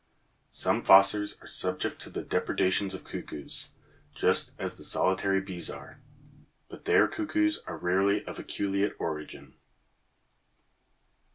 Some fossors are subject to the depredations of cuckoos, just as the solitary bees are, but their cuckoos are rarely of aculeate origin.